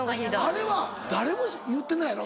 あれは誰も言ってないやろ？